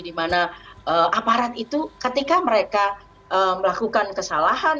dimana aparat itu ketika mereka melakukan kesalahan